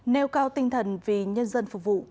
nêu cao tinh thần vì nhân dân phục vụ